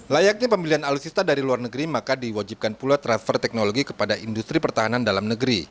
layaknya pembelian alutsista dari luar negeri maka diwajibkan pula transfer teknologi kepada industri pertahanan dalam negeri